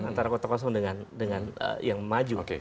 antara kota kosong dengan yang maju